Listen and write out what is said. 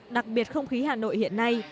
đặc biệt không khí hà nội hiện nay